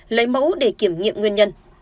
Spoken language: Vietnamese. lấy mẫu để kiểm nghiệm nguyên nhân